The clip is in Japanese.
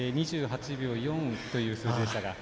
２８秒４という数字でしたが。